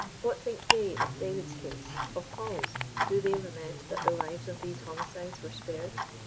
What think they of David's case ?*^f Paul's ? Do they lament that the lives of these homicides were spared?